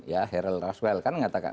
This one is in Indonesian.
ya harold roswell kan mengatakan